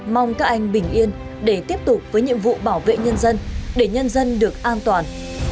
mong các anh bình yên để tiếp tục với nhiệm vụ bảo vệ nhân dân để nhân dân được an toàn